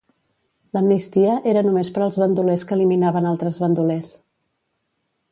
L'amnistia era només per als bandolers que eliminaven altres bandolers.